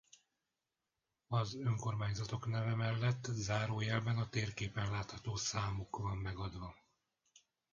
Az önkormányzatok neve mellett zárójelben a térképen látható számuk van megadva.